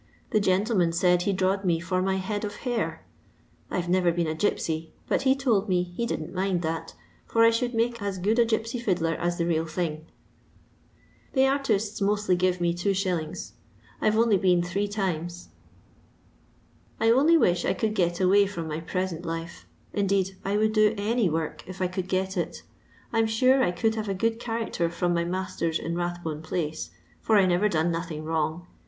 The fntleman said he drawed me for my head of hair, ve never been a gipsy, but he told me he didn't mind that, for I should make as good a gipsy fiddler as the real thing. The artists LONDON LABOUR AND THE LONDON POOR. 77 looitlj giT6 me 2«. I 've only been three timei. I only wuh I could get away from my preaent lila» Indeed I would do any work if I could get iL I 'm fare I could hate a good character from ny matters in Bathbone>pIace, for I never done nothing wrong.